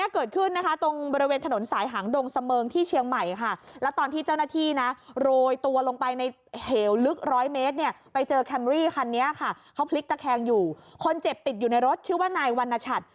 เขาพลิกตะแคงอยู่คนเจ็บติดอยู่ในรถชื่อว่านายวรรณชัตร์